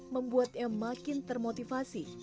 membuatnya makin termotivasi